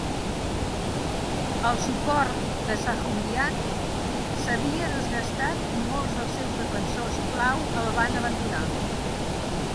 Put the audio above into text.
El suport de Shahumyan s'havia desgastat i molts dels seus defensors clau el van abandonar.